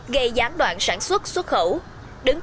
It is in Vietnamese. gây gián đoạn sản xuất xuất khẩu